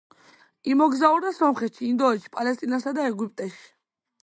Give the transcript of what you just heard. იმოგზაურა სომხეთში, ინდოეთში, პალესტინასა და ეგვიპტეში.